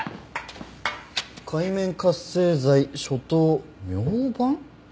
「界面活性剤ショ糖ミョウバン」？